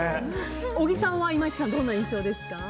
小木さんは、今市さんどんな印象ですか？